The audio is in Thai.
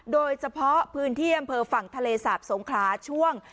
โดยเฉพาะพื้นที่อำเภอฝั่งทะเลสาบสงขลาช่วง